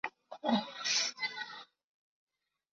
治所在武郎县。